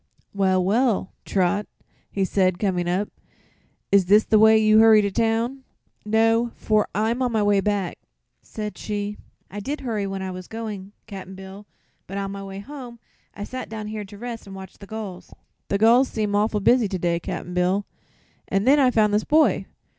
"Well, well, Trot," he said, coming up, "is this the way you hurry to town?" "No, for I'm on my way back," said she. "I did hurry when I was going, Cap'n Bill, but on my way home I sat down here to rest an' watch the gulls the gulls seem awful busy to day, Cap'n Bill an' then I found this boy."